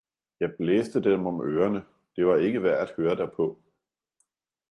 jeg blæste dem om Ørerne, det var ikke værd at høre derpaa.